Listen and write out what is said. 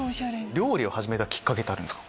料理を始めたきっかけってあるんですか？